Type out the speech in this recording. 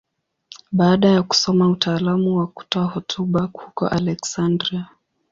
Baada ya kusoma utaalamu wa kutoa hotuba huko Aleksandria.